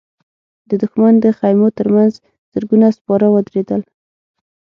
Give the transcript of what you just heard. د دښمن د خيمو تر مخ زرګونه سپاره ودرېدل.